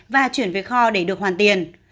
và chuyển về kho để được hoàn tiền